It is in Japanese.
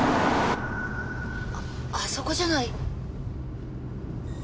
あっあそこじゃない？